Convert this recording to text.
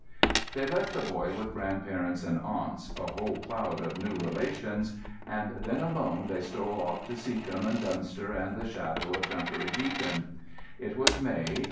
They left the boy with grandparents and aunts, a whole cloud of new relations; and then alone they stole off to Seacombe and Dunster, and the shadow of Dunkery Beacon. It was May.